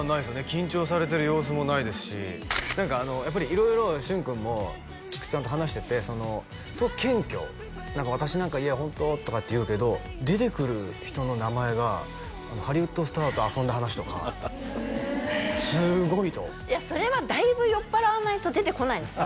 緊張されてる様子もないですし何かやっぱり色々旬君も菊地さんと話しててすごく謙虚「私なんかホント」って言うけど出てくる人の名前がハリウッドスターと遊んだ話とかええすごいといやそれはだいぶ酔っぱらわないと出てこないんですよ